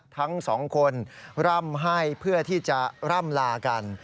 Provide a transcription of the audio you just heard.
ทั้งสองคนร่ำให้เพื่อที่จะร่ำลากัน